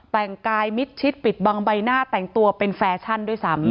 แต่งกายมิดชิดปิดบังใบหน้าแต่งตัวเป็นแฟชั่นด้วยซ้ำ